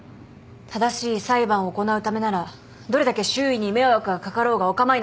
正しい裁判を行うためならどれだけ周囲に迷惑が掛かろうがお構いなし。